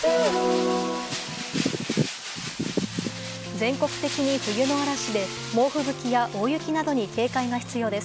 全国的に冬の嵐で、猛吹雪や大雪などに警戒が必要です。